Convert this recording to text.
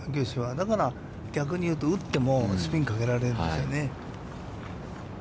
だから逆に言うと、打ってもスピンをかけられるんですよね。